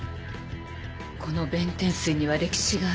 この弁天水には歴史がある。